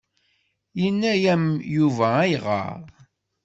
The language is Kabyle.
Yenna-yam Yuba ayɣer?